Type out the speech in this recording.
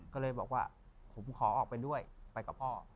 ก็เลยบอกว่าผมขอออกไปด้วยไปกับพ่อ